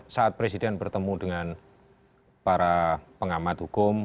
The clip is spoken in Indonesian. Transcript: saat presiden bertemu dengan para pengamat hukum